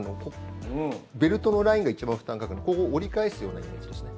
ベルトのラインが一番負担がかかるのでここを折り返すようなイメージですね